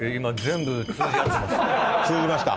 通じました？